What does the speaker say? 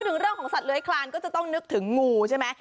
เรื่องของสัตว์เลื้อยคลานก็จะต้องนึกถึงงูใช่ไหม